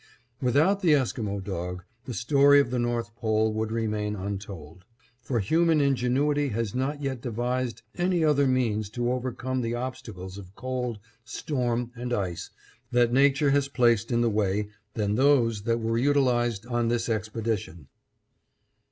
Without the Esquimo dog, the story of the North Pole, would remain untold; for human ingenuity has not yet devised any other means to overcome the obstacles of cold, storm, and ice that nature has placed in the way than those that were utilized on this expedition.